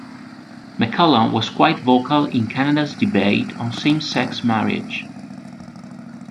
McCallum was quite vocal in Canada's debate on same-sex marriage.